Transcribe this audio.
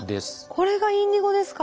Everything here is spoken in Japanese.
これがインディゴですか。